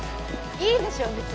いいでしょ別に。